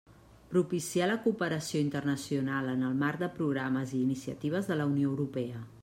Propiciar la cooperació internacional en el Marc de Programes i Iniciatives de la Unió Europea.